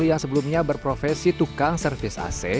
yang sebelumnya berprofesi tukang servis ac